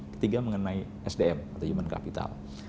ketiga mengenai sdm atau human capital